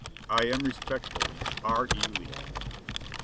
"I am respectfully, R. E. Lee."